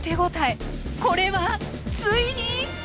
これはついに？